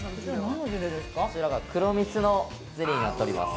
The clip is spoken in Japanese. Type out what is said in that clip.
◆こちらが黒蜜のゼリーになっております。